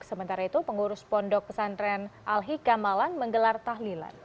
sementara itu pengurus pondok pesantren al hikam malang menggelar tahlilan